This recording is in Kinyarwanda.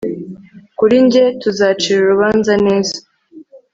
Kuri njye tuzacira urubanza neza